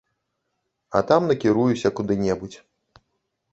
А там накіруюся куды-небудзь.